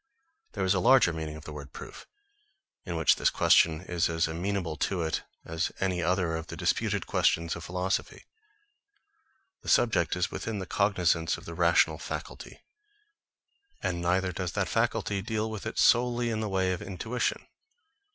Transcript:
There is a larger meaning of the word proof, in which this question is as amenable to it as any other of the disputed questions of philosophy. The subject is within the cognisance of the rational faculty; and neither does that faculty deal with it solely in the way of intuition.